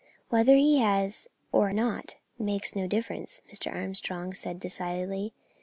"Whether he has or not makes no difference," Mr. Armstrong said, decidedly.